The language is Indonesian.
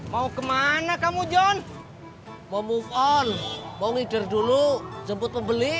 mau kemana kamu john mau move on mau ngider dulu jemput pembeli